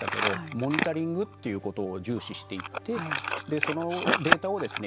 モニタリングということを重視していってそのデータをですね